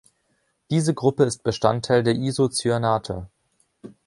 Diese Gruppe ist Bestandteil der Isocyanate.